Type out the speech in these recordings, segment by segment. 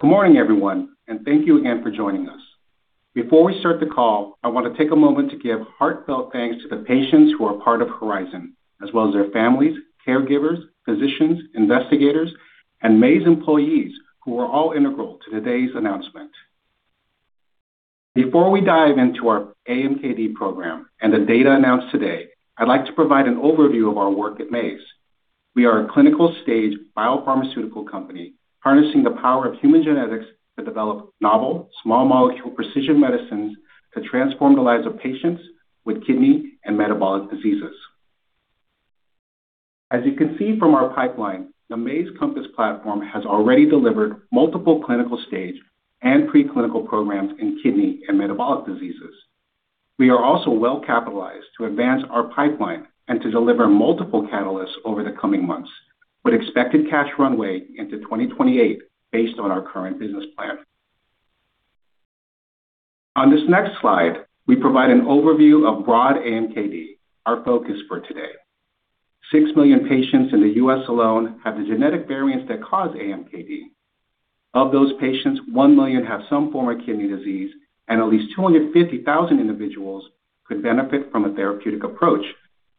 Good morning, everyone, and thank you again for joining us. Before we start the call, I want to take a moment to give heartfelt thanks to the patients who are part of HORIZON, as well as their families, caregivers, physicians, investigators, and Maze employees who are all integral to today's announcement. Before we dive into our AMKD program and the data announced today, I'd like to provide an overview of our work at Maze. We are a clinical-stage biopharmaceutical company harnessing the power of human genetics to develop novel, small-molecule precision medicines to transform the lives of patients with kidney and metabolic diseases. As you can see from our pipeline, the Maze Compass platform has already delivered multiple clinical-stage and preclinical programs in kidney and metabolic diseases. We are also well-capitalized to advance our pipeline and to deliver multiple catalysts over the coming months, with expected cash runway into 2028 based on our current business plan. On this next slide, we provide an overview of broad AMKD, our focus for today. 6 million patients in the U.S. alone have the genetic variants that cause AMKD. Of those patients, 1 million have some form of kidney disease and at least 250,000 individuals could benefit from a therapeutic approach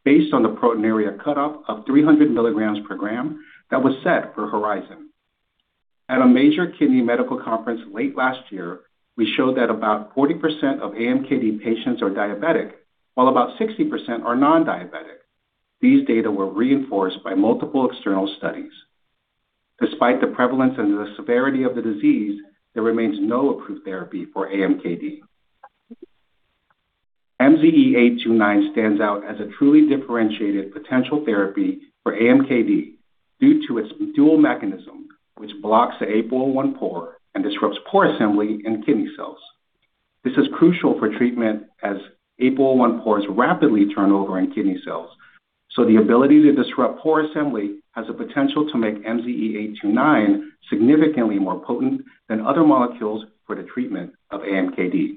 based on the proteinuria cutoff of 300 mg per gram that was set for HORIZON. At a major kidney medical conference late last year, we showed that about 40% of AMKD patients are diabetic, while about 60% are non-diabetic. These data were reinforced by multiple external studies. Despite the prevalence and the severity of the disease, there remains no approved therapy for AMKD. MZE829 stands out as a truly differentiated potential therapy for AMKD due to its dual mechanism, which blocks the APOL1 pore and disrupts pore assembly in kidney cells. This is crucial for treatment as APOL1 pores rapidly turn over in kidney cells, so the ability to disrupt pore assembly has the potential to make MZE829 significantly more potent than other molecules for the treatment of AMKD.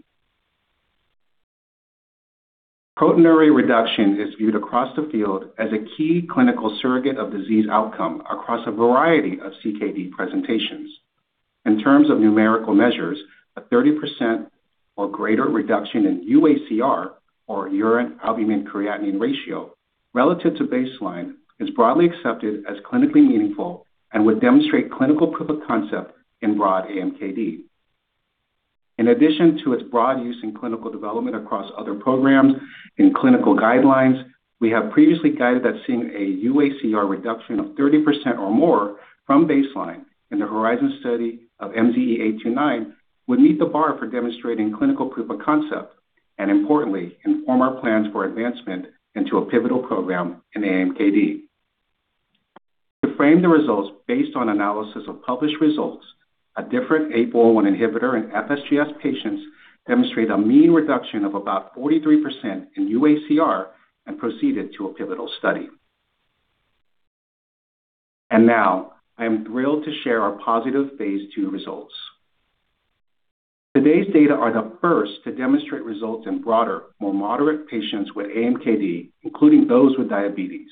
Proteinuria reduction is viewed across the field as a key clinical surrogate of disease outcome across a variety of CKD presentations. In terms of numerical measures, a 30% or greater reduction in uACR, or urine albumin-creatinine ratio, relative to baseline is broadly accepted as clinically meaningful and would demonstrate clinical proof of concept in broad AMKD. In addition to its broad use in clinical development across other programs in clinical guidelines, we have previously guided that seeing a uACR reduction of 30% or more from baseline in the HORIZON study of MZE829 would meet the bar for demonstrating clinical proof of concept and, importantly, inform our plans for advancement into a pivotal program in AMKD. To frame the results based on analysis of published results, a different APOL1 inhibitor in FSGS patients demonstrate a mean reduction of about 43% in uACR and proceeded to a pivotal study. Now, I am thrilled to share our positive phase II results. Today's data are the first to demonstrate results in broader, more moderate patients with AMKD, including those with diabetes.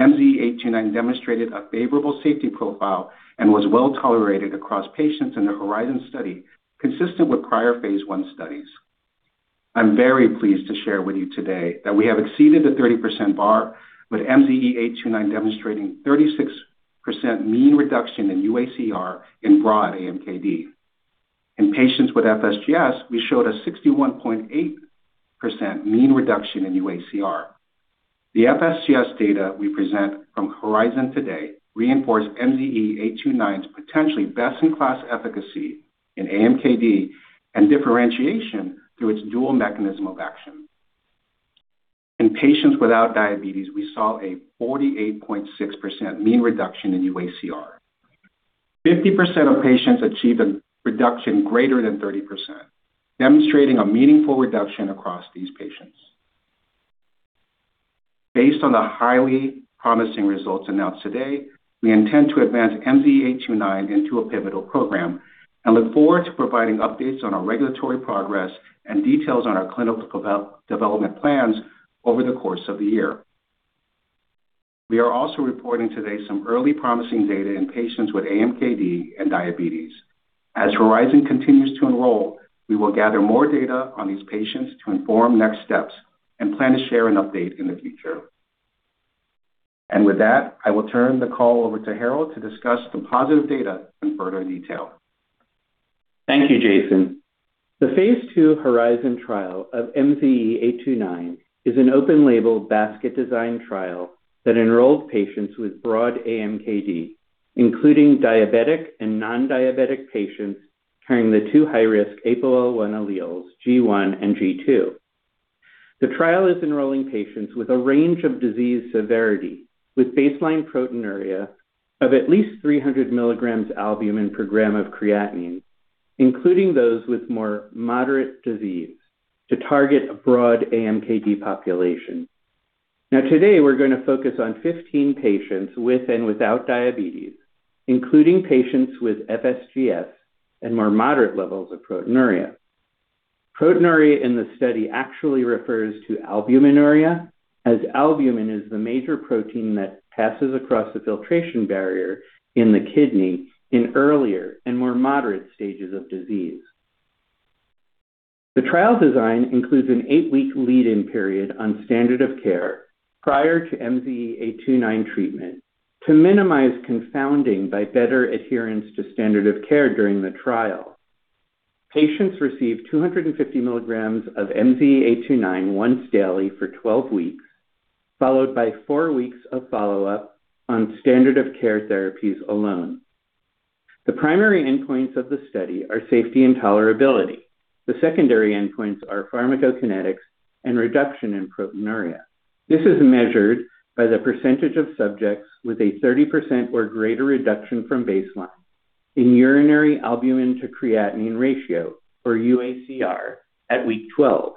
MZE829 demonstrated a favorable safety profile and was well-tolerated across patients in the HORIZON study, consistent with prior phase I studies. I'm very pleased to share with you today that we have exceeded the 30% bar, with MZE829 demonstrating 36% mean reduction in uACR in broad AMKD. In patients with FSGS, we showed a 61.8% mean reduction in uACR. The FSGS data we present from HORIZON today reinforce MZE829's potentially best-in-class efficacy in AMKD and differentiation through its dual mechanism of action. In patients without diabetes, we saw a 48.6% mean reduction in uACR. 50% of patients achieved a reduction greater than 30%, demonstrating a meaningful reduction across these patients. Based on the highly promising results announced today, we intend to advance MZE829 into a pivotal program and look forward to providing updates on our regulatory progress and details on our clinical development plans over the course of the year. We are also reporting today some early promising data in patients with AMKD and diabetes. As HORIZON continues to enroll, we will gather more data on these patients to inform next steps and plan to share an update in the future. With that, I will turn the call over to Harold to discuss the positive data in further detail. Thank you, Jason. The phase II HORIZON trial of MZE829 is an open-label, basket design trial that enrolled patients with broad AMKD, including diabetic and non-diabetic patients carrying the two high-risk APOL1 alleles, G1 and G2. The trial is enrolling patients with a range of disease severity with baseline proteinuria of at least 300 mg albumin per gram of creatinine, including those with more moderate disease, to target a broad AMKD population. Now, today we're going to focus on 15 patients with and without diabetes, including patients with FSGS and more moderate levels of proteinuria. Proteinuria in the study actually refers to albuminuria, as albumin is the major protein that passes across the filtration barrier in the kidney in earlier and more moderate stages of disease. The trial design includes an eight-week lead-in period on standard of care prior to MZE829 treatment to minimize confounding by better adherence to standard of care during the trial. Patients received 250 mg of MZE829 once daily for 12 weeks, followed by four weeks of follow-up on standard of care therapies alone. The primary endpoints of the study are safety and tolerability. The secondary endpoints are pharmacokinetics and reduction in proteinuria. This is measured by the percentage of subjects with a 30% or greater reduction from baseline in urinary albumin-to-creatinine ratio, or uACR, at week 12.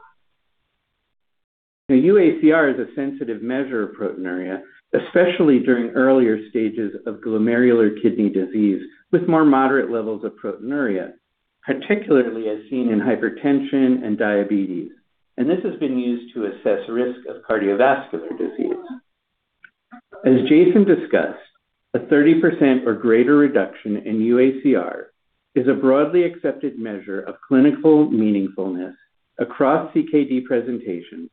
Now, uACR is a sensitive measure of proteinuria, especially during earlier stages of glomerular kidney disease with more moderate levels of proteinuria, particularly as seen in hypertension and diabetes, and this has been used to assess risk of cardiovascular disease. As Jason discussed, a 30% or greater reduction in uACR is a broadly accepted measure of clinical meaningfulness across CKD presentations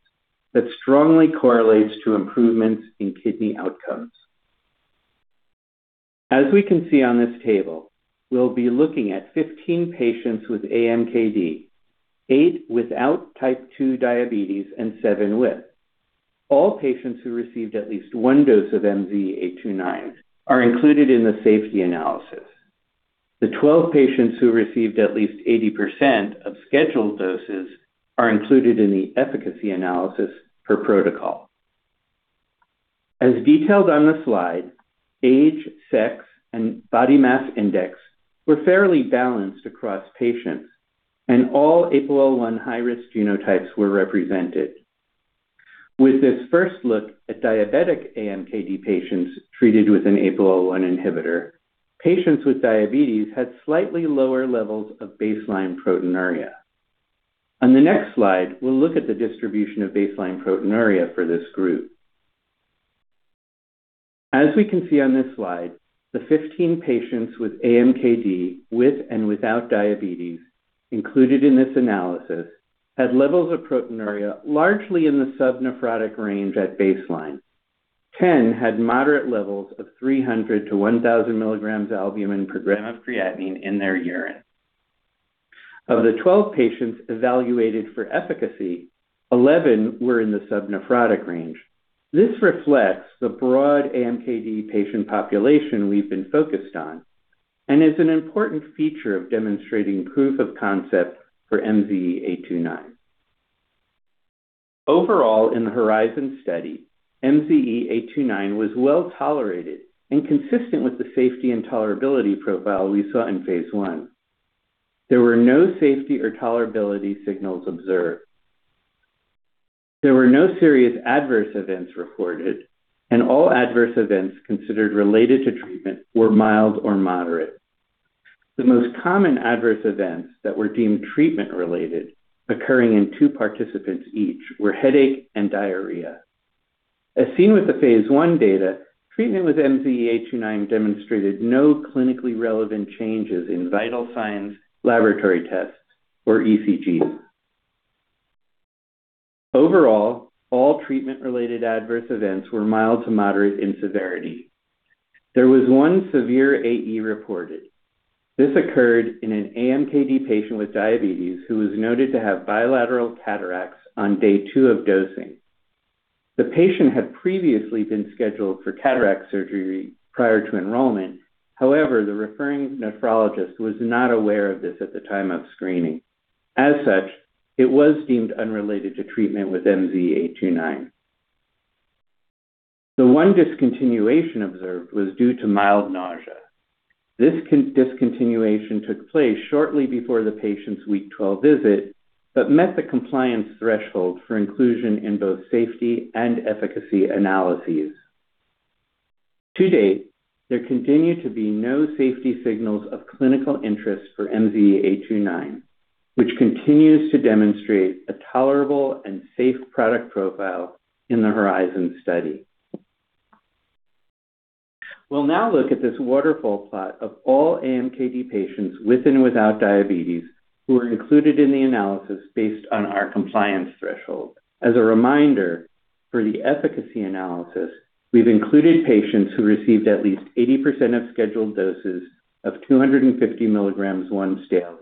that strongly correlates to improvements in kidney outcomes. As we can see on this table, we'll be looking at 15 patients with AMKD, eight without type 2 diabetes and seven with. All patients who received at least one dose of MZE829 are included in the safety analysis. The 12 patients who received at least 80% of scheduled doses are included in the efficacy analysis per protocol. As detailed on the slide, age, sex, and body mass index were fairly balanced across patients, and all APOL1 high-risk genotypes were represented. With this first look at diabetic AMKD patients treated with an APOL1 inhibitor, patients with diabetes had slightly lower levels of baseline proteinuria. On the next slide, we'll look at the distribution of baseline proteinuria for this group. As we can see on this slide, the 15 patients with AMKD with and without diabetes included in this analysis had levels of proteinuria largely in the subnephrotic range at baseline. 10 had moderate levels of 300 mg-1,000 mg albumin per gram of creatinine in their urine. Of the 12 patients evaluated for efficacy, 11 were in the subnephrotic range. This reflects the broad AMKD patient population we've been focused on and is an important feature of demonstrating proof of concept for MZE829. Overall, in the HORIZON study, MZE829 was well-tolerated and consistent with the safety and tolerability profile we saw in phase I. There were no safety or tolerability signals observed. There were no serious adverse events reported, and all adverse events considered related to treatment were mild or moderate. The most common adverse events that were deemed treatment-related, occurring in two participants each, were headache and diarrhea. As seen with the phase I data, treatment with MZE829 demonstrated no clinically relevant changes in vital signs, laboratory tests, or ECGs. Overall, all treatment-related adverse events were mild to moderate in severity. There was one severe AE reported. This occurred in an AMKD patient with diabetes who was noted to have bilateral cataracts on day two of dosing. The patient had previously been scheduled for cataract surgery prior to enrollment. However, the referring nephrologist was not aware of this at the time of screening. As such, it was deemed unrelated to treatment with MZE829. The one discontinuation observed was due to mild nausea. This discontinuation took place shortly before the patient's week 12 visit but met the compliance threshold for inclusion in both safety and efficacy analyses. To date, there continue to be no safety signals of clinical interest for MZE829, which continues to demonstrate a tolerable and safe safety profile in the HORIZON study. We'll now look at this waterfall plot of all AMKD patients with and without diabetes who were included in the analysis based on our compliance threshold. As a reminder, for the efficacy analysis, we've included patients who received at least 80% of scheduled doses of 250 mg once daily.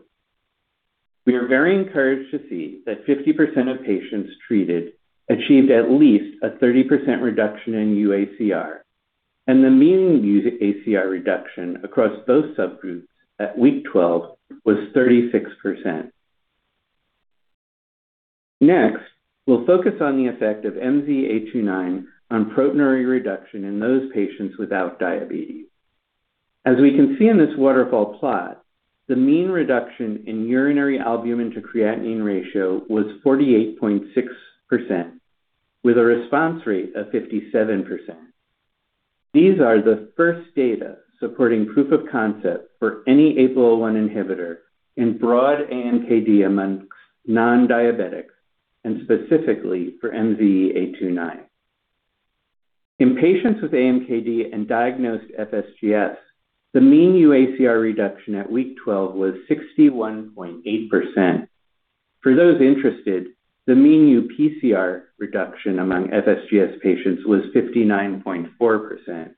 We are very encouraged to see that 50% of patients treated achieved at least a 30% reduction in uACR, and the mean uACR reduction across both subgroups at week 12 was 36%. Next, we'll focus on the effect of MZE829 on proteinuria reduction in those patients without diabetes. As we can see in this waterfall plot, the mean reduction in urinary albumin to creatinine ratio was 48.6% with a response rate of 57%. These are the first data supporting proof of concept for any APOL1 inhibitor in broad AMKD among non-diabetics and specifically for MZE829. In patients with AMKD and diagnosed FSGS, the mean uACR reduction at week 12 was 61.8%. For those interested, the mean uPCR reduction among FSGS patients was 59.4%.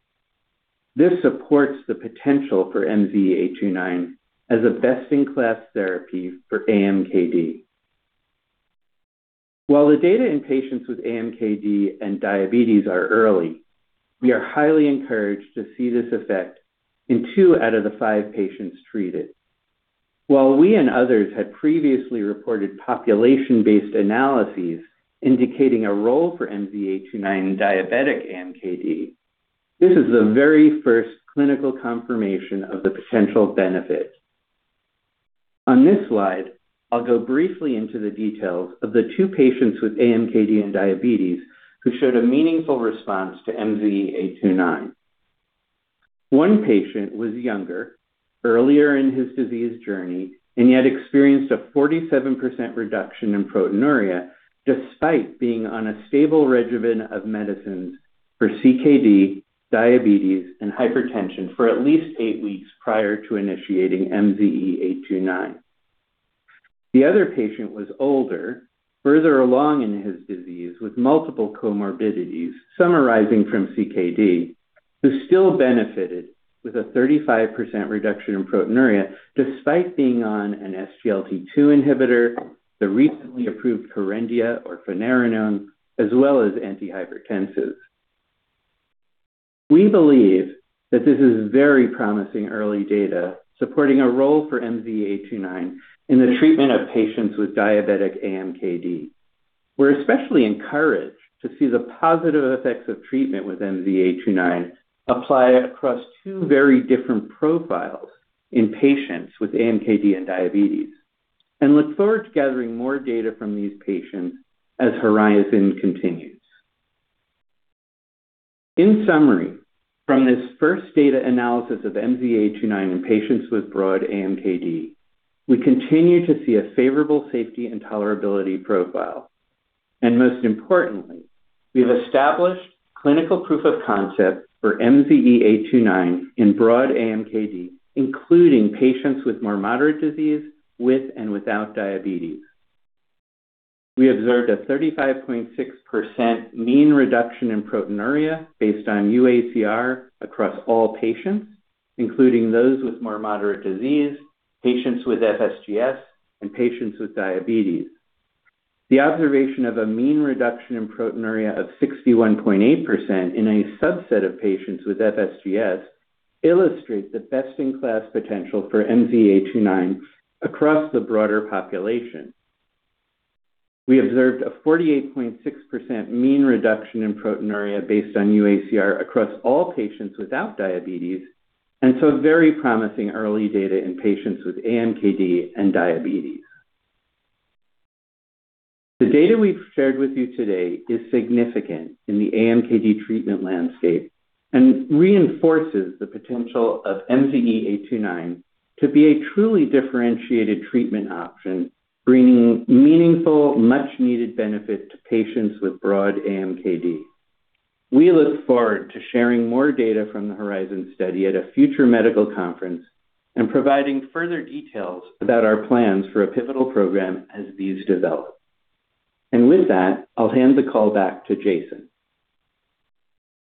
This supports the potential for MZE829 as a best-in-class therapy for AMKD. While the data in patients with AMKD and diabetes are early, we are highly encouraged to see this effect in two out of the five patients treated. While we and others had previously reported population-based analyses indicating a role for MZE829 in diabetic AMKD, this is the very first clinical confirmation of the potential benefit. On this slide, I'll go briefly into the details of the two patients with AMKD and diabetes who showed a meaningful response to MZE829. One patient was younger, earlier in his disease journey, and yet experienced a 47% reduction in proteinuria despite being on a stable regimen of medicines for CKD, diabetes, and hypertension for at least eight weeks prior to initiating MZE829. The other patient was older, further along in his disease with multiple comorbidities stemming from CKD, who still benefited with a 35% reduction in proteinuria despite being on an SGLT2 inhibitor, the recently approved KERENDIA or finerenone, as well as antihypertensives. We believe that this is very promising early data supporting a role for MZE829 in the treatment of patients with diabetic AMKD. We're especially encouraged to see the positive effects of treatment with MZE829 apply across two very different profiles in patients with AMKD and diabetes, and look forward to gathering more data from these patients as HORIZON continues. In summary, from this first data analysis of MZE829 in patients with broad AMKD, we continue to see a favorable safety and tolerability profile. Most importantly, we have established clinical proof of concept for MZE829 in broad AMKD, including patients with more moderate disease with and without diabetes. We observed a 35.6% mean reduction in proteinuria based on uACR across all patients, including those with more moderate disease, patients with FSGS, and patients with diabetes. The observation of a mean reduction in proteinuria of 61.8% in a subset of patients with FSGS illustrates the best-in-class potential for MZE829 across the broader population. We observed a 48.6% mean reduction in proteinuria based on uACR across all patients without diabetes, and so very promising early data in patients with AMKD and diabetes. The data we've shared with you today is significant in the AMKD treatment landscape and reinforces the potential of MZE829 to be a truly differentiated treatment option, bringing meaningful, much-needed benefit to patients with broad AMKD. We look forward to sharing more data from the HORIZON study at a future medical conference and providing further details about our plans for a pivotal program as these develop. With that, I'll hand the call back to Jason.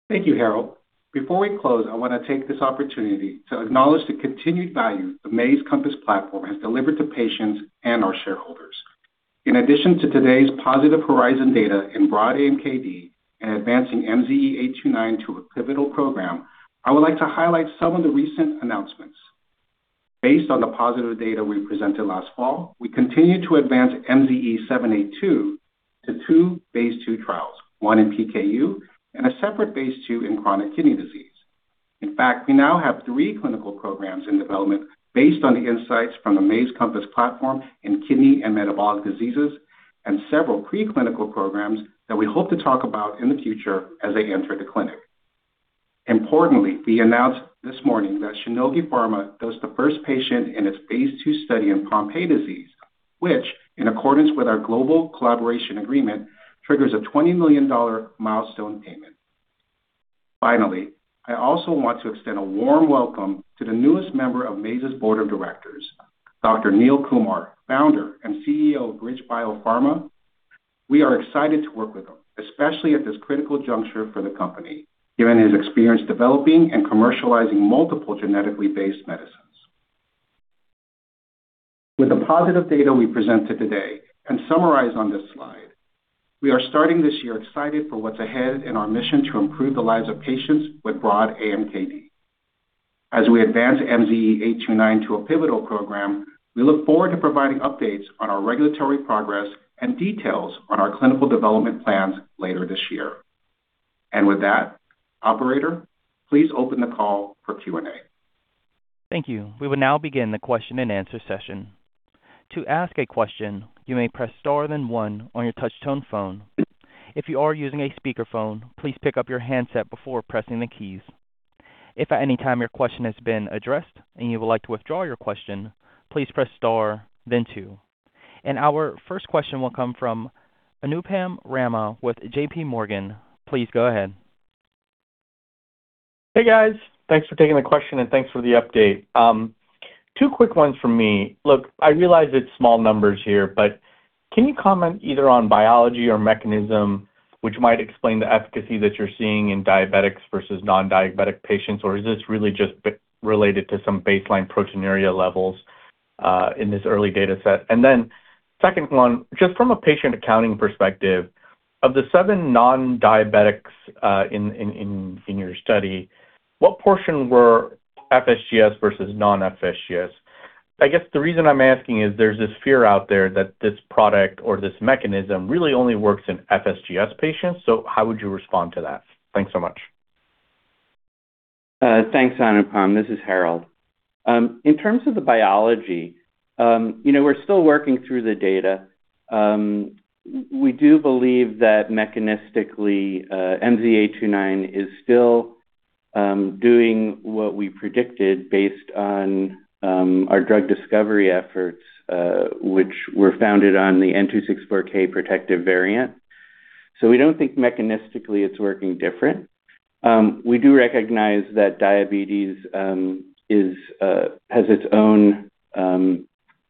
Thank you, Harold. Before we close, I want to take this opportunity to acknowledge the continued value the Maze Compass platform has delivered to patients and our shareholders. In addition to today's positive HORIZON data in broad AMKD and advancing MZE829 to a pivotal program, I would like to highlight some of the recent announcements. Based on the positive data we presented last fall, we continue to advance MZE782 to two phase II trials, one in PKU and a separate phase II in chronic kidney disease. In fact, we now have three clinical programs in development based on the insights from the Maze Compass platform in kidney and metabolic diseases and several preclinical programs that we hope to talk about in the future as they enter the clinic. Importantly, we announced this morning that Shionogi Pharma dosed the first patient in its phase II study in Pompe disease, which, in accordance with our global collaboration agreement, triggers a $20 million milestone payment. Finally, I also want to extend a warm welcome to the newest member of Maze's Board of Directors, Dr. Neil Kumar, founder and CEO of BridgeBio Pharma. We are excited to work with him, especially at this critical juncture for the company, given his experience developing and commercializing multiple genetically based medicines. With the positive data we presented today and summarized on this slide, we are starting this year excited for what's ahead in our mission to improve the lives of patients with broad AMKD. As we advance MZE829 to a pivotal program, we look forward to providing updates on our regulatory progress and details on our clinical development plans later this year. With that, operator, please open the call for Q&A. Thank you. We will now begin the question-and-answer session. To ask a question, you may press star then one on your touchtone phone. If you are using a speakerphone, please pick up your handset before pressing the keys. If at any time your question has been addressed and you would like to withdraw your question, please press star then two. Our first question will come from Anupam Rama with JPMorgan. Please go ahead. Hey, guys. Thanks for taking the question, and thanks for the update. Two quick ones from me. Look, I realize it's small numbers here, but can you comment either on biology or mechanism which might explain the efficacy that you're seeing in diabetics versus non-diabetic patients? Or is this really just be related to some baseline proteinuria levels in this early data set? Then second one, just from a patient accounting perspective, of the seven non-diabetics in your study, what portion were FSGS versus non-FSGS? I guess the reason I'm asking is there's this fear out there that this product or this mechanism really only works in FSGS patients, so how would you respond to that? Thanks so much. Thanks, Anupam. This is Harold. In terms of the biology, you know, we're still working through the data. We do believe that mechanistically, MZE829 is still doing what we predicted based on our drug discovery efforts, which were founded on the N264K protective variant. We don't think mechanistically it's working different. We do recognize that diabetes has its own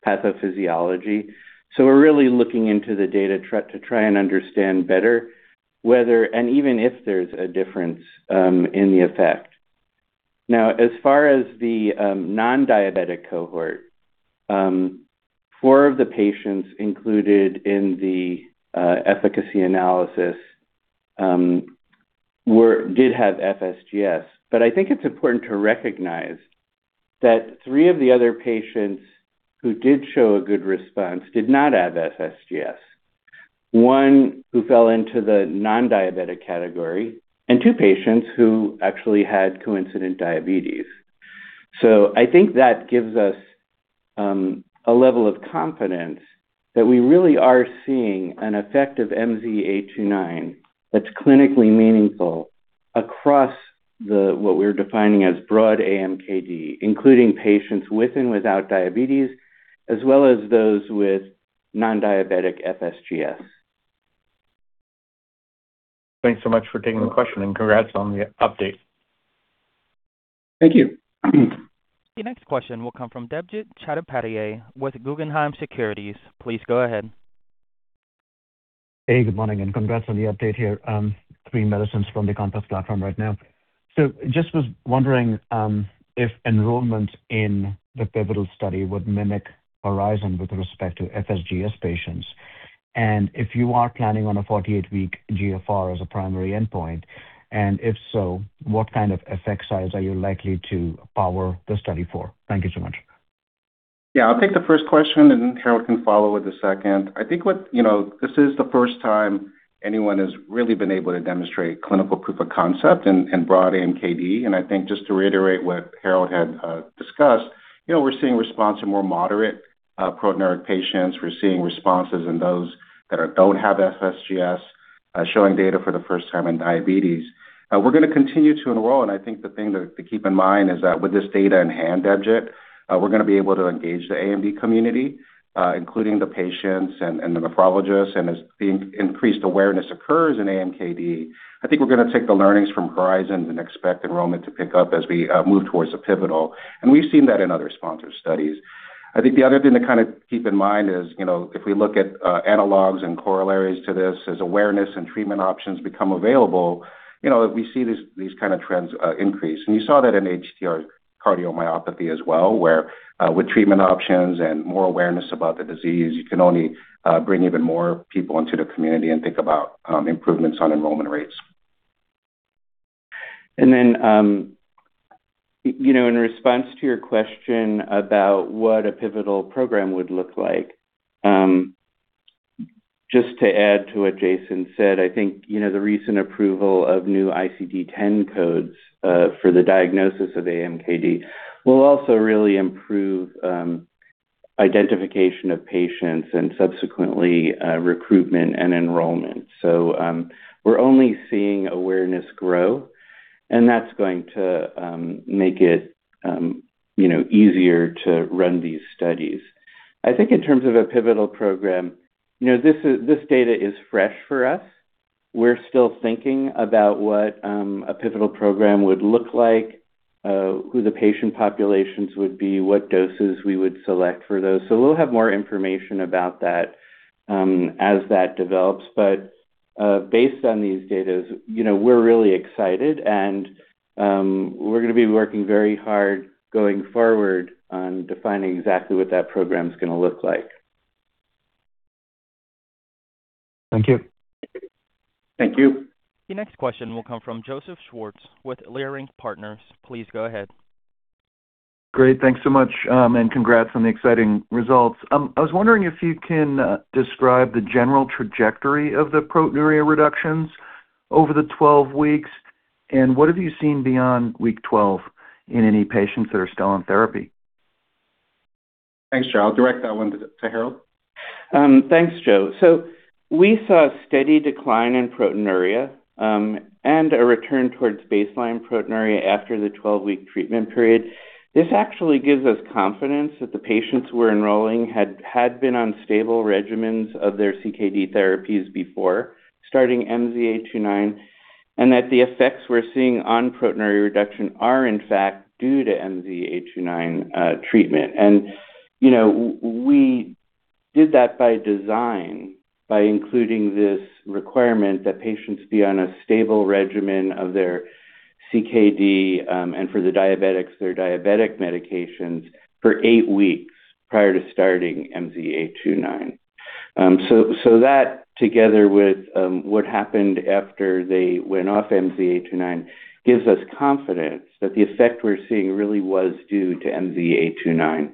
pathophysiology, so we're really looking into the data to try and understand better whether, and even if there's a difference, in the effect. Now, as far as the non-diabetic cohort, four of the patients included in the efficacy analysis did have FSGS. I think it's important to recognize that three of the other patients who did show a good response did not have FSGS. One who fell into the non-diabetic category and two patients who actually had coincident diabetes. I think that gives us a level of confidence that we really are seeing an effect of MZE829 that's clinically meaningful across the what we're defining as broad AMKD, including patients with and without diabetes, as well as those with non-diabetic FSGS. Thanks so much for taking the question, and congrats on the update. Thank you. The next question will come from Debjit Chattopadhyay with Guggenheim Securities. Please go ahead. Hey, good morning, and congrats on the update here, three medicines from the Compass platform right now. I just was wondering if enrollment in the pivotal study would mimic HORIZON with respect to FSGS patients, and if you are planning on a 48-week GFR as a primary endpoint, and if so, what kind of effect size are you likely to power the study for? Thank you so much. Yeah. I'll take the first question, and Harold can follow with the second. I think what, you know, this is the first time anyone has really been able to demonstrate clinical proof of concept in broad AMKD. I think just to reiterate what Harold had discussed, you know, we're seeing response in more moderate proteinuria patients. We're seeing responses in those that don't have FSGS, showing data for the first time in diabetes. We're gonna continue to enroll, and I think the thing to keep in mind is that with this data in hand, Debjit, we're gonna be able to engage the AMKD community, including the patients and the nephrologists. As the increased awareness occurs in AMKD, I think we're gonna take the learnings from HORIZON and expect enrollment to pick up as we move towards the pivotal. We've seen that in other sponsored studies. I think the other thing to kind of keep in mind is, you know, if we look at analogs and corollaries to this, as awareness and treatment options become available, you know, we see these kind of trends increase. You saw that in ATTR cardiomyopathy as well, where with treatment options and more awareness about the disease, you can only bring even more people into the community and think about improvements on enrollment rates. You know, in response to your question about what a pivotal program would look like, just to add to what Jason said, I think, you know, the recent approval of new ICD-10 codes for the diagnosis of AMKD will also really improve identification of patients and subsequently recruitment and enrollment. We're only seeing awareness grow, and that's going to make it, you know, easier to run these studies. I think in terms of a pivotal program, you know, this data is fresh for us. We're still thinking about what a pivotal program would look like, who the patient populations would be, what doses we would select for those. We'll have more information about that as that develops. Based on these data, you know, we're really excited and we're gonna be working very hard going forward on defining exactly what that program's gonna look like. Thank you. Thank you. The next question will come from Joseph Schwartz with Leerink Partners. Please go ahead. Great. Thanks so much, and congrats on the exciting results. I was wondering if you can describe the general trajectory of the proteinuria reductions over the 12 weeks, and what have you seen beyond week 12 in any patients that are still on therapy? Thanks, Joe. I'll direct that one to Harold. Thanks, Joe. We saw a steady decline in proteinuria, and a return towards baseline proteinuria after the 12-week treatment period. This actually gives us confidence that the patients we're enrolling had been on stable regimens of their CKD therapies before starting MZE829, and that the effects we're seeing on proteinuria reduction are in fact due to MZE829 treatment. You know, we did that by design by including this requirement that patients be on a stable regimen of their CKD, and for the diabetics, their diabetic medications for eight weeks prior to starting MZE829. That together with what happened after they went off MZE829 gives us confidence that the effect we're seeing really was due to MZE829.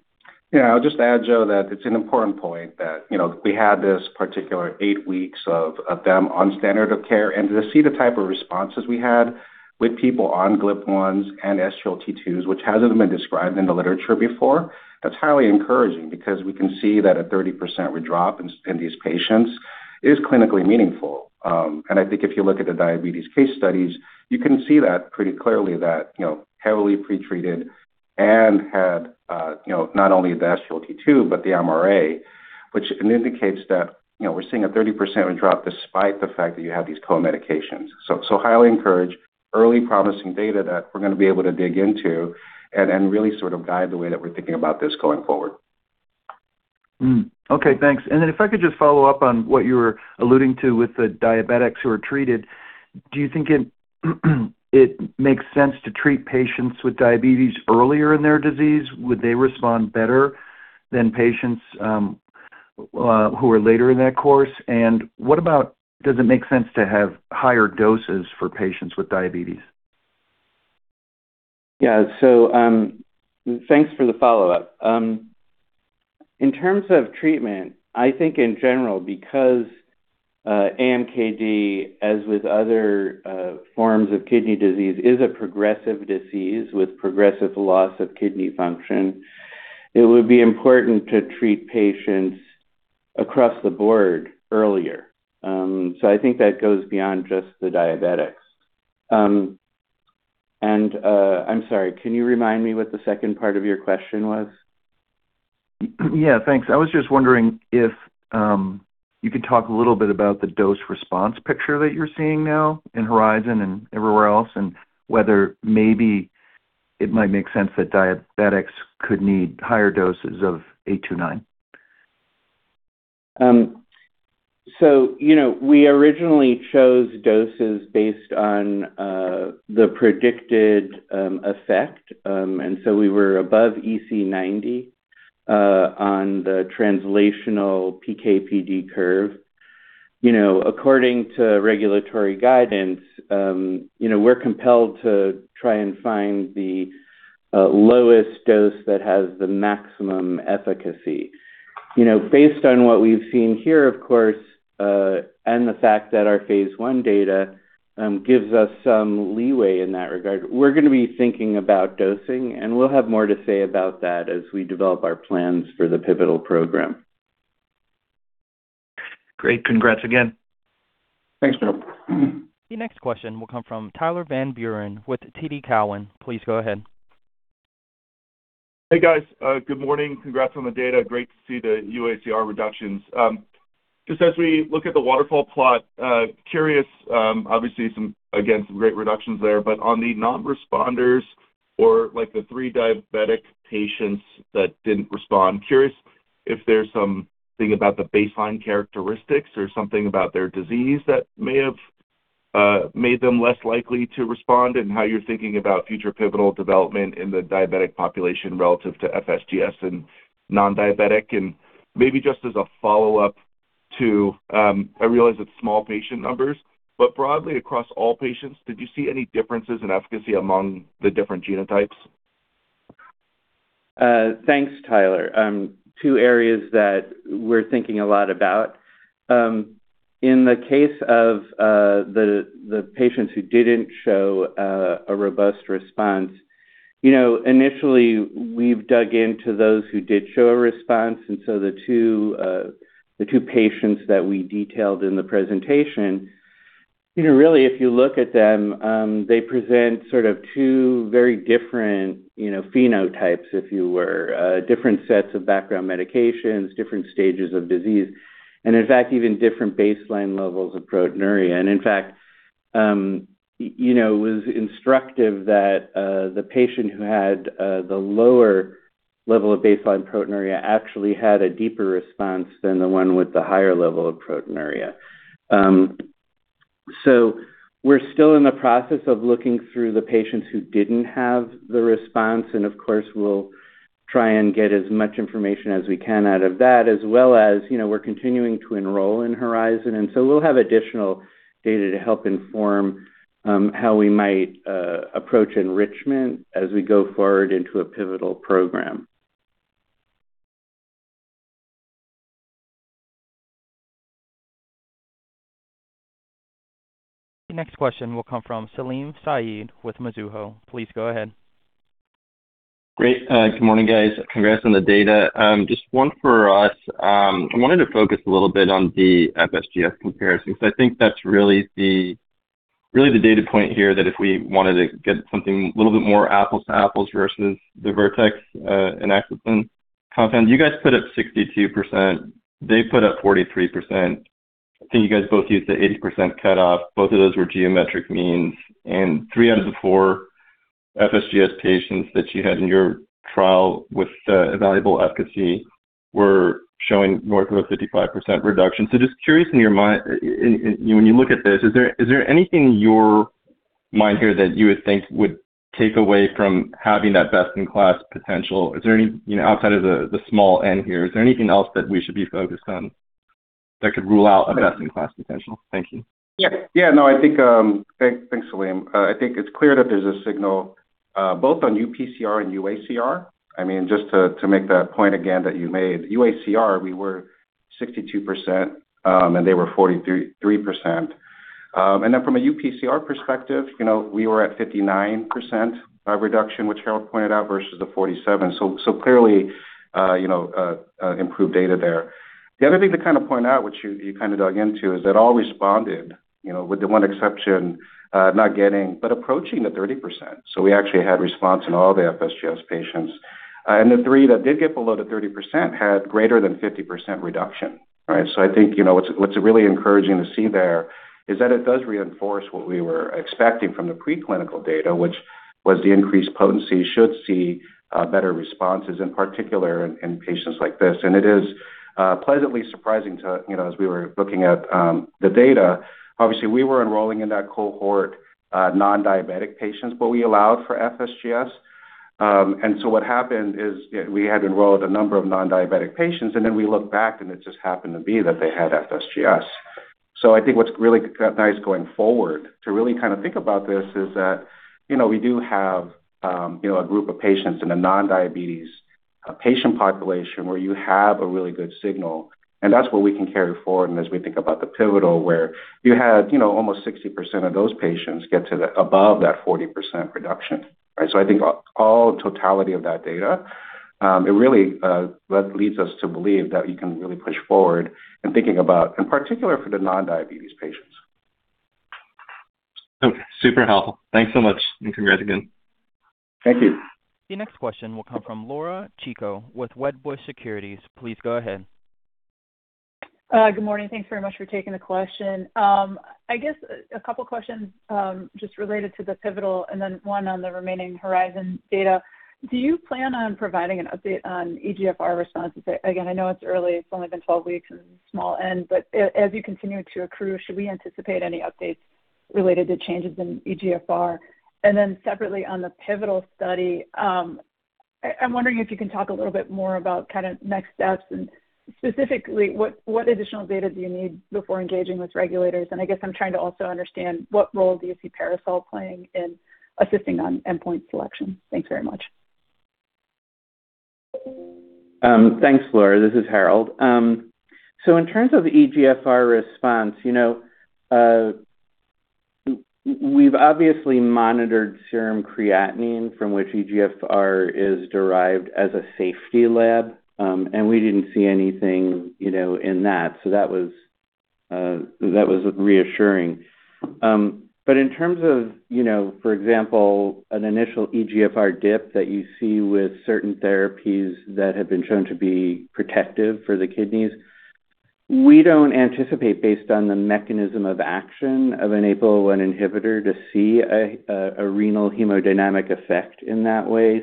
Yeah. I'll just add, Joe, that it's an important point that, you know, we had this particular eight weeks of them on standard of care, and to see the type of responses we had with people on GLP-1s and SGLT2s, which hasn't been described in the literature before, that's highly encouraging because we can see that a 30% drop in these patients is clinically meaningful. I think if you look at the diabetes case studies, you can see that pretty clearly that, you know, heavily pretreated and had, you know, not only the SGLT2, but the MRA, which indicates that, you know, we're seeing a 30% drop despite the fact that you have these co-medications. Highly encouraged, early promising data that we're gonna be able to dig into and really sort of guide the way that we're thinking about this going forward. Okay. Thanks. Then if I could just follow up on what you were alluding to with the diabetics who are treated. Do you think it makes sense to treat patients with diabetes earlier in their disease? Would they respond better than patients who are later in their course? What about does it make sense to have higher doses for patients with diabetes? Yeah. Thanks for the follow-up. In terms of treatment, I think in general, because AMKD, as with other forms of kidney disease, is a progressive disease with progressive loss of kidney function, it would be important to treat patients across the board earlier. I think that goes beyond just the diabetics. I'm sorry, can you remind me what the second part of your question was? Yeah. Thanks. I was just wondering if you could talk a little bit about the dose response picture that you're seeing now in HORIZON and everywhere else, and whether maybe it might make sense that diabetics could need higher doses of MZE829. You know, we originally chose doses based on the predicted effect, and so we were above EC90 on the translational PK/PD curve. You know, according to regulatory guidance, you know, we're compelled to try and find the lowest dose that has the maximum efficacy. You know, based on what we've seen here, of course, and the fact that our phase I data gives us some leeway in that regard, we're gonna be thinking about dosing, and we'll have more to say about that as we develop our plans for the pivotal program. Great. Congrats again. Thanks, Joe. The next question will come from Tyler Van Buren with TD Cowen. Please go ahead. Hey, guys. Good morning. Congrats on the data. Great to see the uACR reductions. Just as we look at the waterfall plot, curious, obviously some, again, some great reductions there, but on the non-responders or, like, the three diabetic patients that didn't respond, curious if there's something about the baseline characteristics or something about their disease that may have made them less likely to respond and how you're thinking about future pivotal development in the diabetic population relative to FSGS and non-diabetic. Maybe just as a follow-up to, I realize it's small patient numbers, but broadly across all patients, did you see any differences in efficacy among the different genotypes? Thanks, Tyler. Two areas that we're thinking a lot about. In the case of the patients who didn't show a robust response. You know, initially we've dug into those who did show a response, so the two patients that we detailed in the presentation, you know, really if you look at them, they present sort of two very different, you know, phenotypes if you were different sets of background medications, different stages of disease, and in fact, even different baseline levels of proteinuria. In fact, you know, it was instructive that the patient who had the lower level of baseline proteinuria actually had a deeper response than the one with the higher level of proteinuria. We're still in the process of looking through the patients who didn't have the response, and of course, we'll try and get as much information as we can out of that, as well as, you know, we're continuing to enroll in HORIZON, and so we'll have additional data to help inform how we might approach enrichment as we go forward into a pivotal program. Next question will come from Salim Syed with Mizuho. Please go ahead. Great. Good morning, guys. Congrats on the data. Just one for us. I wanted to focus a little bit on the FSGS comparison, because I think that's really the data point here that if we wanted to get something a little bit more apples-to-apples versus the Vertex and Axsome compounds. You guys put up 62%. They put up 43%. I think you guys both used the 80% cutoff. Both of those were geometric means. Three out of the four FSGS patients that you had in your trial with evaluable efficacy were showing north of a 55% reduction. Just curious, in your mind, when you look at this, is there anything in your mind here that you would think would take away from having that best-in-class potential? Is there any? You know, outside of the small end here, is there anything else that we should be focused on that could rule out a best-in-class potential? Thank you. Yeah. Yeah, no, I think. Thanks, Salim. I think it's clear that there's a signal both on uPCR and uACR. I mean, just to make that point again that you made. uACR, we were 62%, and they were 43%. And then from a uPCR perspective, you know, we were at 59% reduction, which Harold pointed out, versus the 47. So clearly, you know, improved data there. The other thing to kind of point out, which you kind of dug into, is that all responded, you know, with the one exception not getting, but approaching the 30%. So we actually had response in all the FSGS patients. And the three that did get below the 30% had greater than 50% reduction, right? I think, you know, what's really encouraging to see there is that it does reinforce what we were expecting from the preclinical data, which was the increased potency should see better responses, in particular in patients like this. It is pleasantly surprising, you know, as we were looking at the data. Obviously, we were enrolling in that cohort non-diabetic patients, but we allowed for FSGS. What happened is we had enrolled a number of non-diabetic patients, and then we looked back, and it just happened to be that they had FSGS. I think what's really great going forward to really kind of think about this is that, you know, we do have a group of patients in a non-diabetes patient population where you have a really good signal, and that's what we can carry forward. As we think about the pivotal where you had, you know, almost 60% of those patients get to the above that 40% reduction, right? I think all totality of that data, it really leads us to believe that you can really push forward in thinking about, in particular for the non-diabetes patients. Super helpful. Thanks so much, and congrats again. Thank you. The next question will come from Laura Chico with Wedbush Securities. Please go ahead. Good morning. Thanks very much for taking the question. I guess a couple questions, just related to the pivotal and then one on the remaining HORIZON data. Do you plan on providing an update on eGFR responses? Again, I know it's early, it's only been 12 weeks and small n, but as you continue to accrue, should we anticipate any updates related to changes in eGFR? Then separately on the pivotal study, I'm wondering if you can talk a little bit more about kind of next steps and specifically, what additional data do you need before engaging with regulators? I guess I'm trying to also understand what role do you see PARASOL playing in assisting on endpoint selection. Thanks very much. Thanks, Laura. This is Harold. In terms of eGFR response, you know, we've obviously monitored serum creatinine from which eGFR is derived as a safety lab, and we didn't see anything, you know, in that. That was reassuring. In terms of, you know, for example, an initial eGFR dip that you see with certain therapies that have been shown to be protective for the kidneys, we don't anticipate based on the mechanism of action of an APOL1 inhibitor to see a renal hemodynamic effect in that way.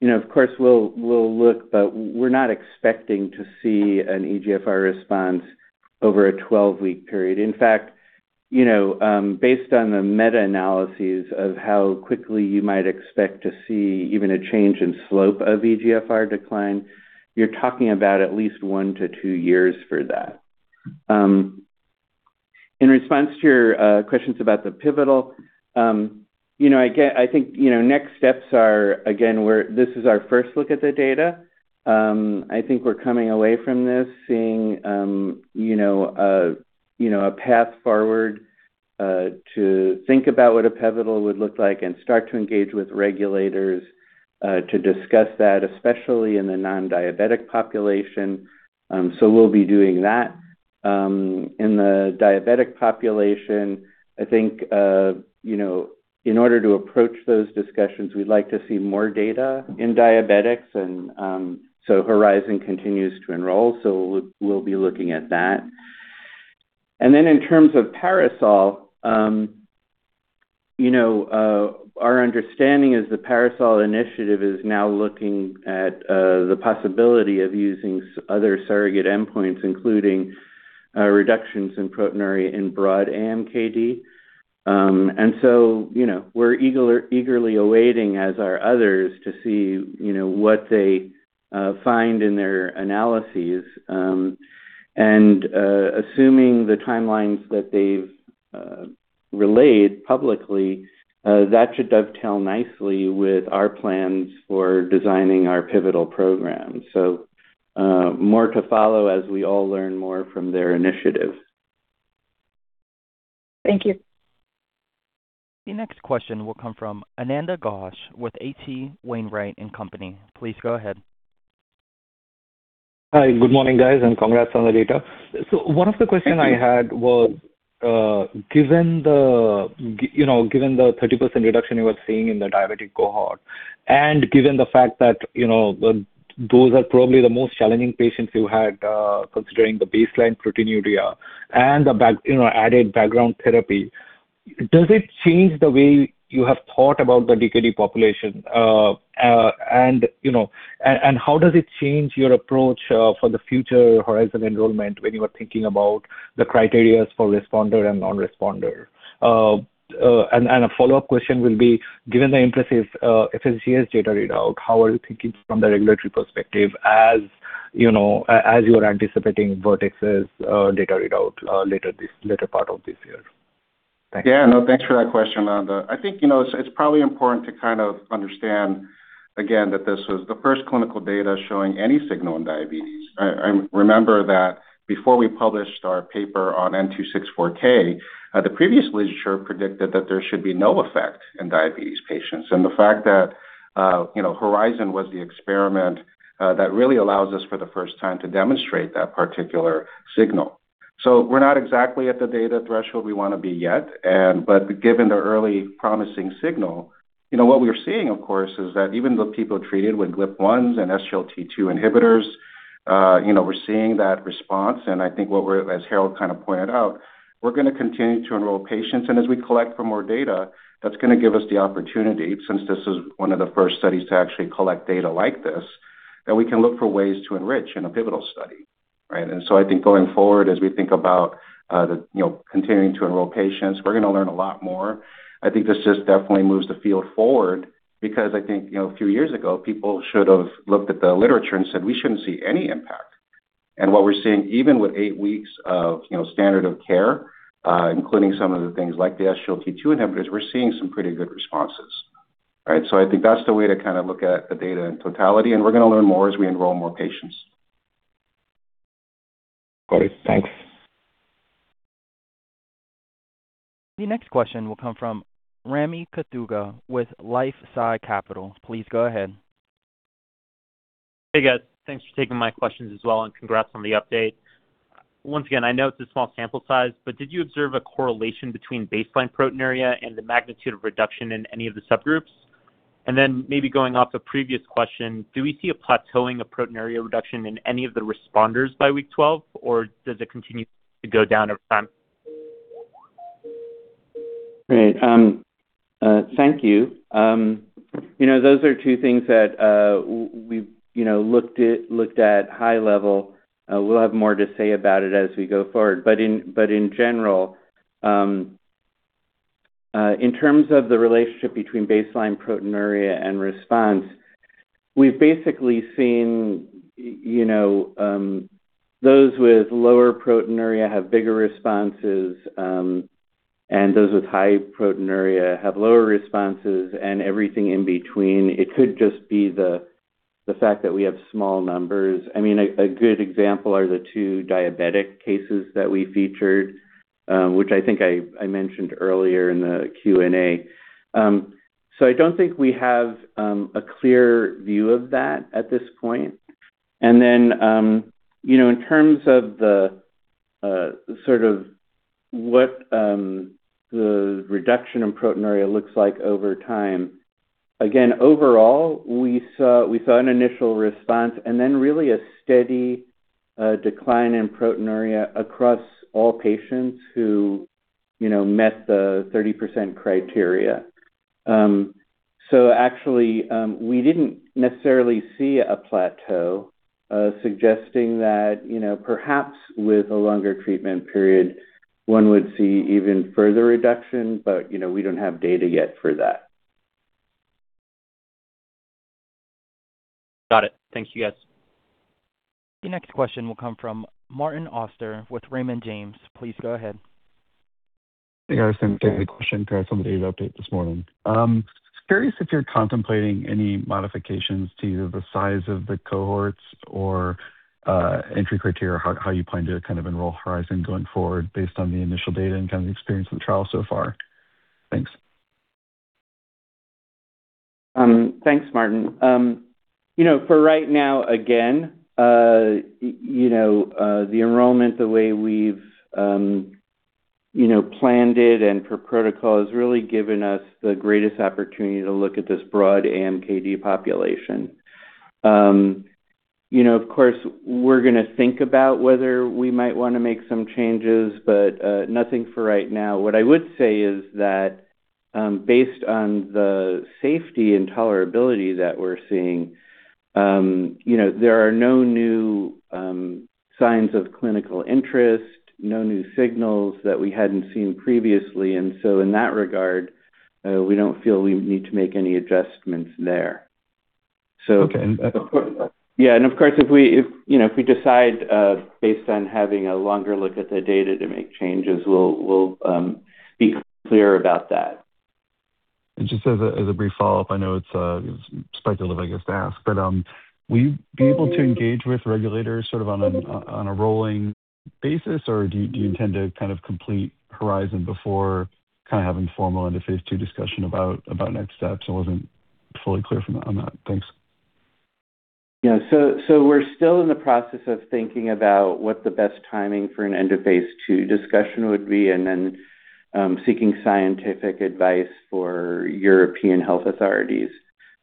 You know, of course we'll look, but we're not expecting to see an eGFR response over a 12-week period. In fact, you know, based on the meta-analyses of how quickly you might expect to see even a change in slope of eGFR decline, you're talking about at least one to two years for that. In response to your questions about the pivotal, you know, again, I think, you know, next steps are, again, this is our first look at the data. I think we're coming away from this seeing, you know, a path forward to think about what a pivotal would look like and start to engage with regulators to discuss that, especially in the non-diabetic population. We'll be doing that. In the diabetic population, I think, you know, in order to approach those discussions, we'd like to see more data in diabetics and, so HORIZON continues to enroll, so we'll be looking at that. Then in terms of PARASOL, you know, our understanding is the PARASOL initiative is now looking at the possibility of using other surrogate endpoints, including reductions in proteinuria in broad AMKD. You know, we're eagerly awaiting, as are others, to see, you know, what they find in their analyses. Assuming the timelines that they've relayed publicly, that should dovetail nicely with our plans for designing our pivotal program. More to follow as we all learn more from their initiative. Thank you. The next question will come from Ananda Ghosh with H.C. Wainwright & Co. Please go ahead. Hi. Good morning, guys, congrats on the data. Thank you. One of the questions I had was, given the, you know, given the 30% reduction you were seeing in the diabetic cohort and given the fact that, you know, those are probably the most challenging patients you had, considering the baseline proteinuria and the added background therapy, does it change the way you have thought about the DKD population? And, you know, how does it change your approach for the future HORIZON enrollment when you are thinking about the criteria for responder and non-responder? And a follow-up question will be given the impressive FSGS data readout, how are you thinking from the regulatory perspective as, you know, as you're anticipating Vertex's data readout later part of this year? Thanks. Yeah. No, thanks for that question, Ananda. I think, you know, it's probably important to kind of understand again that this was the first clinical data showing any signal in diabetes. I remember that before we published our paper on N264K, the previous literature predicted that there should be no effect in diabetes patients and the fact that, you know, HORIZON was the experiment that really allows us for the first time to demonstrate that particular signal. We're not exactly at the data threshold we wanna be yet and but given the early promising signal, you know what we're seeing, of course, is that even the people treated with GLP-1s and SGLT2 inhibitors, you know, we're seeing that response. I think what we're, as Harold kind of pointed out, we're gonna continue to enroll patients, and as we collect more data, that's gonna give us the opportunity, since this is one of the first studies to actually collect data like this, that we can look for ways to enrich in a pivotal study, right? I think going forward, as we think about, you know, continuing to enroll patients, we're gonna learn a lot more. I think this just definitely moves the field forward because I think, you know, a few years ago, people should have looked at the literature and said, "We shouldn't see any impact." What we're seeing, even with eight weeks of, you know, standard of care, including some of the things like the SGLT2 inhibitors, we're seeing some pretty good responses. Right? I think that's the way to kind of look at the data in totality, and we're gonna learn more as we enroll more patients. Got it. Thanks. The next question will come from Rami Katkhuda with LifeSci Capital. Please go ahead. Hey, guys. Thanks for taking my questions as well and congrats on the update. Once again, I know it's a small sample size, but did you observe a correlation between baseline proteinuria and the magnitude of reduction in any of the subgroups? Maybe going off a previous question, do we see a plateauing of proteinuria reduction in any of the responders by week 12, or does it continue to go down over time? Right. Thank you. You know, those are two things that we've you know, looked at high level. We'll have more to say about it as we go forward. In general, in terms of the relationship between baseline proteinuria and response, we've basically seen, you know, those with lower proteinuria have bigger responses, and those with high proteinuria have lower responses and everything in between. It could just be the fact that we have small numbers. I mean, a good example are the two diabetic cases that we featured, which I think I mentioned earlier in the Q&A. I don't think we have a clear view of that at this point. In terms of the sort of what the reduction in proteinuria looks like over time, again, overall, we saw an initial response and then really a steady decline in proteinuria across all patients who you know met the 30% criteria. Actually, we didn't necessarily see a plateau, suggesting that you know perhaps with a longer treatment period, one would see even further reduction, but you know we don't have data yet for that. Got it. Thank you, guys. The next question will come from Martin Auster with Raymond James. Please go ahead. Hey, guys. Hey. Thanks for taking the question. Congrats on the data update this morning. Just curious if you're contemplating any modifications to either the size of the cohorts or entry criteria, how you plan to kind of enroll HORIZON going forward based on the initial data and kind of the experience of the trial so far? Thanks. Thanks, Martin. You know, for right now, again, you know, the enrollment, the way we've you know, planned it and per protocol has really given us the greatest opportunity to look at this broad AMKD population. You know, of course, we're gonna think about whether we might wanna make some changes, but nothing for right now. What I would say is that, based on the safety and tolerability that we're seeing, you know, there are no new signs of clinical interest, no new signals that we hadn't seen previously. In that regard, we don't feel we need to make any adjustments there. Yeah, and of course, if we decide, you know, based on having a longer look at the data to make changes, we'll be clear about that. Just as a brief follow-up, I know it's obvious to ask, but will you be able to engage with regulators sort of on a rolling basis, or do you tend to kind of complete HORIZON before kind of having formal end of phase II discussion about next steps? I wasn't fully clear from that on that. Thanks. We're still in the process of thinking about what the best timing for an end of phase II discussion would be and then seeking scientific advice for European health authorities.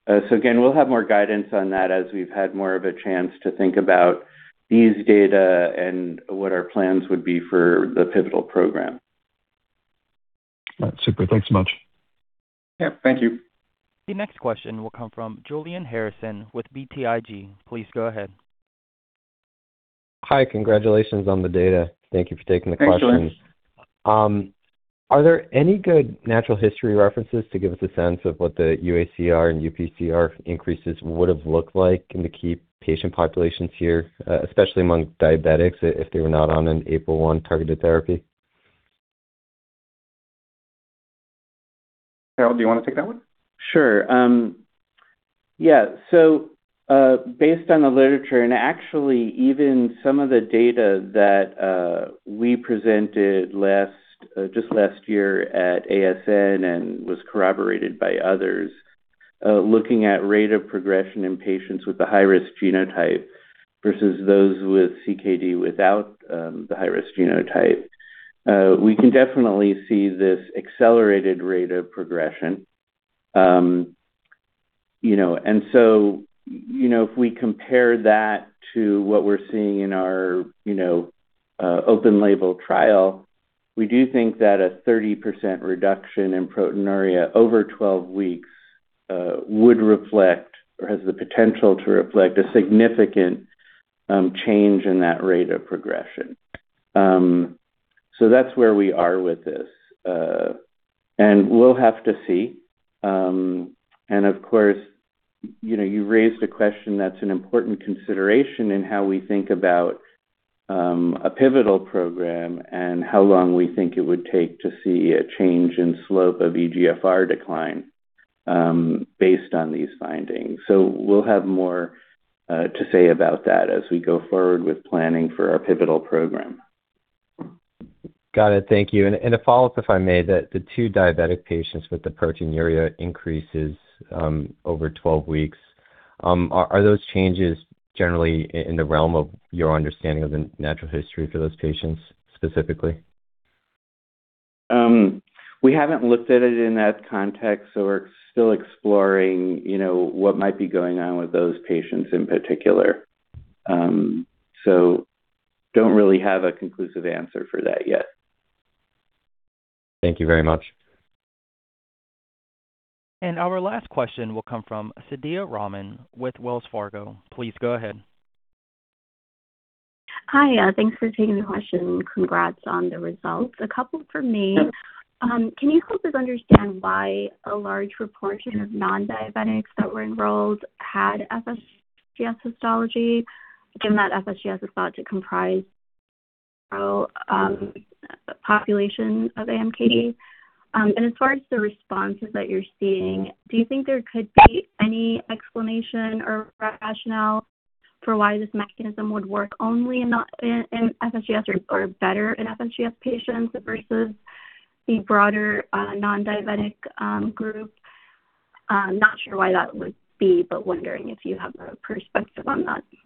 Again, we'll have more guidance on that as we've had more of a chance to think about these data and what our plans would be for the pivotal program. All right. Super. Thanks so much. Yeah. Thank you. The next question will come from Julian Harrison with BTIG. Please go ahead. Hi. Congratulations on the data. Thank you for taking the question. Thanks, Julian. Are there any good natural history references to give us a sense of what the uACR and uPCR increases would have looked like in the key patient populations here, especially among diabetics, if they were not on an APOL-1 targeted therapy? Harold, do you want to take that one? Sure. Yeah, based on the literature, and actually even some of the data that we presented just last year at ASN and was corroborated by others, looking at rate of progression in patients with the high-risk genotype versus those with CKD without the high-risk genotype, we can definitely see this accelerated rate of progression. You know, you know, if we compare that to what we're seeing in our you know, open label trial, we do think that a 30% reduction in proteinuria over 12 weeks would reflect or has the potential to reflect a significant change in that rate of progression. That's where we are with this. We'll have to see. Of course, you know, you raised a question that's an important consideration in how we think about a pivotal program and how long we think it would take to see a change in slope of eGFR decline, based on these findings. We'll have more to say about that as we go forward with planning for our pivotal program. Got it. Thank you. A follow-up, if I may. The two diabetic patients with the proteinuria increases over 12 weeks, are those changes generally in the realm of your understanding of the natural history for those patients specifically? We haven't looked at it in that context, so we're still exploring, you know, what might be going on with those patients in particular. Don't really have a conclusive answer for that yet. Thank you very much. Our last question will come from Sadia Rahman with Wells Fargo. Please go ahead. Hi. Thanks for taking the question. Congrats on the results. A couple from me. Sure. Can you help us understand why a large proportion of non-diabetics that were enrolled had FSGS histology, given that FSGS is thought to comprise population of AMKD? As far as the responses that you're seeing, do you think there could be any explanation or rationale for why this mechanism would work only in FSGS or better in FSGS patients versus the broader non-diabetic group? I'm not sure why that would be, but wondering if you have a perspective on that. Yeah,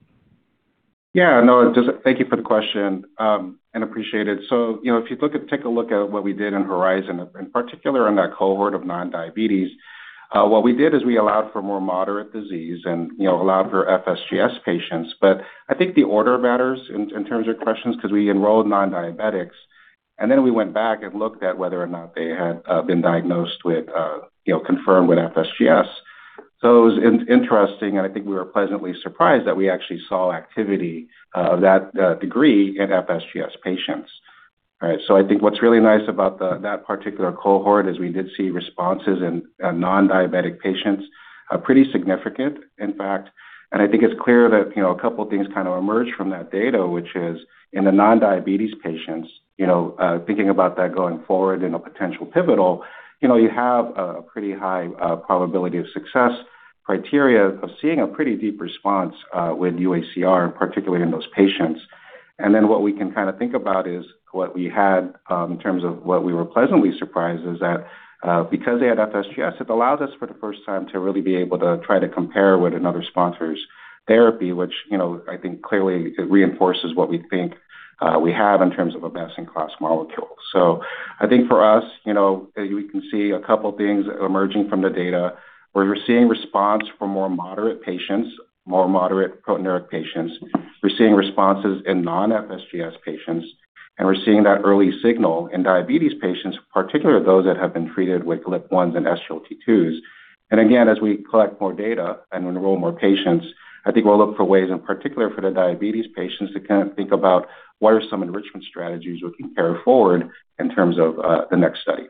no, just thank you for the question and appreciate it. You know, take a look at what we did in HORIZON, in particular in that cohort of non-diabetic. What we did is we allowed for more moderate disease and, you know, allowed for FSGS patients. I think the order matters in terms of questions 'cause we enrolled non-diabetics, and then we went back and looked at whether or not they had been diagnosed with, you know, confirmed with FSGS. It was interesting, and I think we were pleasantly surprised that we actually saw activity of that degree in FSGS patients. All right. I think what's really nice about that particular cohort is we did see responses in non-diabetic patients, pretty significant, in fact. I think it's clear that, you know, a couple things kind of emerged from that data, which is in the non-diabetes patients, you know, thinking about that going forward in a potential pivotal, you know, you have a pretty high probability of success criteria of seeing a pretty deep response with uACR, particularly in those patients. Then what we can kind of think about is what we had in terms of what we were pleasantly surprised is that because they had FSGS, it allowed us for the first time to really be able to try to compare with another sponsor's therapy, which, you know, I think clearly it reinforces what we think we have in terms of a best-in-class molecule. I think for us, you know, we can see a couple things emerging from the data where we're seeing response from more moderate patients, more moderate proteinuria patients. We're seeing responses in non-FSGS patients, and we're seeing that early signal in diabetes patients, particularly those that have been treated with GLP-1s and SGLT2s. And again, as we collect more data and enroll more patients, I think we'll look for ways, in particular for the diabetes patients, to kind of think about what are some enrichment strategies we can carry forward in terms of, the next study.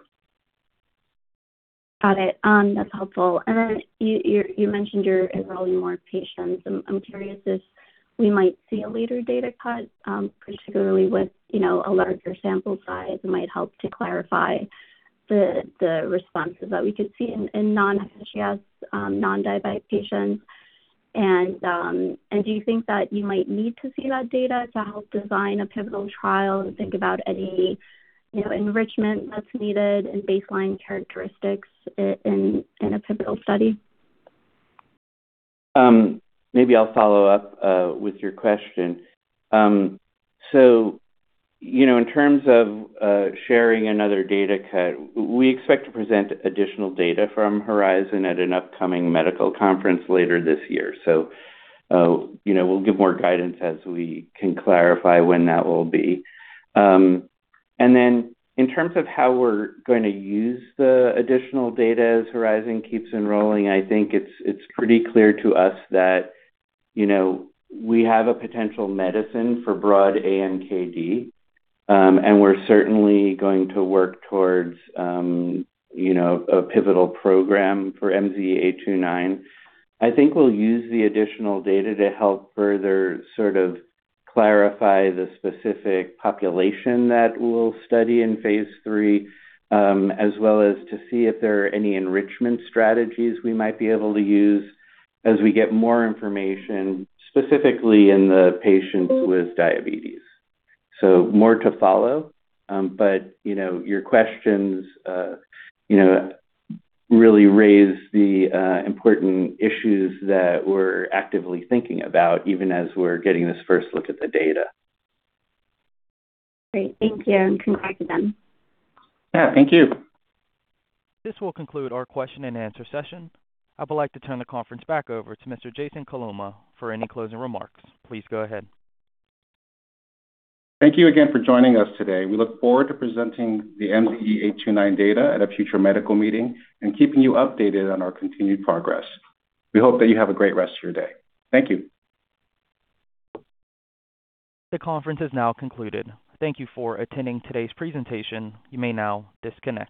Got it. That's helpful. You mentioned you're enrolling more patients. I'm curious if we might see a later data cut, particularly with a larger sample size might help to clarify the responses that we could see in non-FSGS non-diabetic patients. Do you think that you might need to see that data to help design a pivotal trial to think about any enrichment that's needed and baseline characteristics in a pivotal study? Maybe I'll follow up with your question. You know, in terms of sharing another data cut, we expect to present additional data from HORIZON at an upcoming medical conference later this year. You know, we'll give more guidance as we can clarify when that will be. In terms of how we're gonna use the additional data as HORIZON keeps enrolling, I think it's pretty clear to us that, you know, we have a potential medicine for broad AMKD, and we're certainly going to work towards, you know, a pivotal program for MZE829. I think we'll use the additional data to help further sort of clarify the specific population that we'll study in phase III, as well as to see if there are any enrichment strategies we might be able to use as we get more information, specifically in the patients with diabetes. More to follow. You know, your questions, you know, really raise the important issues that we're actively thinking about even as we're getting this first look at the data. Great. Thank you and congratulations. Yeah, thank you. This will conclude our question-and-answer session. I would like to turn the conference back over to Mr. Jason Coloma for any closing remarks. Please go ahead. Thank you again for joining us today. We look forward to presenting the MZE829 data at a future medical meeting and keeping you updated on our continued progress. We hope that you have a great rest of your day. Thank you. The conference is now concluded. Thank you for attending today's presentation. You may now disconnect.